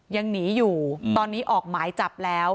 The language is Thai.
ยังหนีอยู่ตอนนี้ออกหมายจับแล้ว